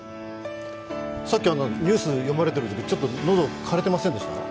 さっきニュース読まれてるときちょっと喉かれてませんでした？